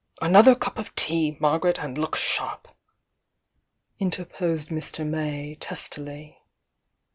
Another cup of tea, Margaret, and look sharp!" mterposed Mr. May, testily.